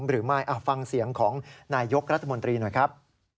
หรือไม่ฟังเสียงของนายยกรัฐมนตรีหน่อยครับ